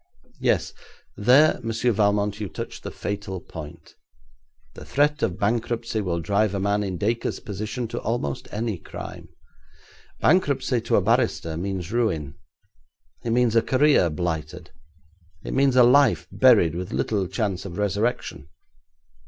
Yes, there, Monsieur Valmont, you touch the fatal point. The threat of bankruptcy will drive a man in Dacre's position to almost any crime. Bankruptcy to a barrister means ruin. It means a career blighted; it means a life buried, with little chance of resurrection.